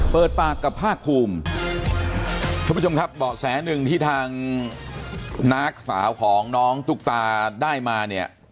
เปิดปากกับภาคภูมิท่านผู้ชมครับเบาะแสหนึ่งที่ทางน้าสาวของน้องตุ๊กตาได้มาเนี่ย